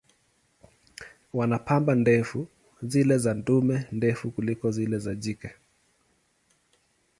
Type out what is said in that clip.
Wana pamba ndefu, zile za dume ndefu kuliko zile za jike.